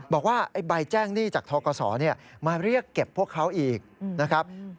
บอกว่าใบแจ้งหนี้จากทกศมาเรียกเก็บพวกเขาอีกนะครับ